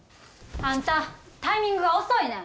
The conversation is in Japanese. あんたタイミングが遅いねん！